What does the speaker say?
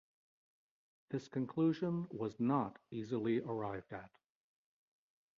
This conclusion was not easily arrived at.